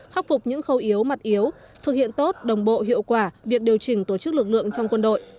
khắc phục những khâu yếu mặt yếu thực hiện tốt đồng bộ hiệu quả việc điều chỉnh tổ chức lực lượng trong quân đội